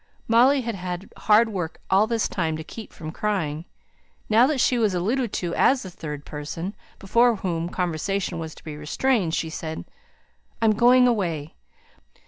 Molly had had hard work all this time to keep from crying. Now that she was alluded to as the third person before whom conversation was to be restrained, she said "I'm going away.